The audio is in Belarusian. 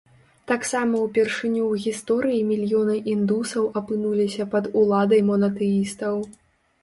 Таксама ўпершыню ў гісторыі мільёны індусаў апынуліся пад уладай монатэістаў.